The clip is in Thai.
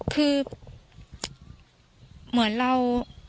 คือเหมือนเรา